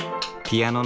ピアノ！